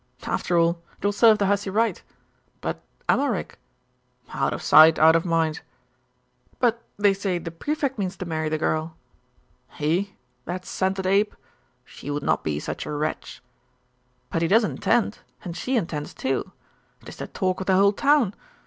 'After all, it will serve the hussy right. But Amalric?' 'Out of sight, out of mind.' 'But they say the Prefect means to marry the girl.' 'He? That scented ape? She would not be such a wretch.' 'But he does intend; and she intends too. It is the talk of the whole town.